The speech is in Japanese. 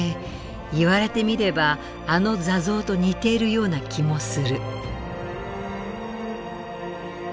言われてみればあの座像と似ているような気もする。